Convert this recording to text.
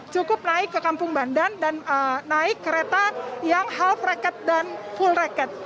cukup naik ke kampung bandan dan naik kereta yang half reket dan full reket